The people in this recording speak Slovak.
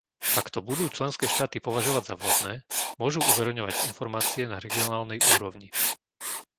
Ak to budú členské štáty považovať za vhodné, môžu uverejňovať informácie na regionálnej úrovni.